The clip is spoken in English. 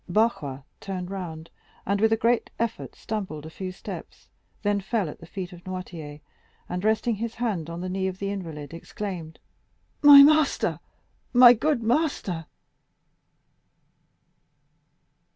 Barrois turned round and with a great effort stumbled a few steps, then fell at the feet of Noirtier, and resting his hand on the knee of the invalid, exclaimed: "My master, my good master!"